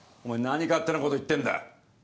何勝手なこと言ってんだ？